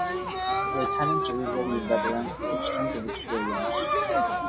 Lieutenants are usually veterans with extensive experience.